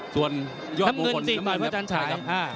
ส่วนยอดมงคลติดต่อยพระจันทราย